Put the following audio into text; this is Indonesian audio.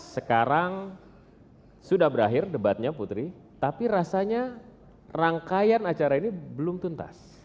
sekarang sudah berakhir debatnya putri tapi rasanya rangkaian acara ini belum tuntas